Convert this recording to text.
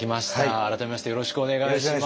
改めましてよろしくお願いします。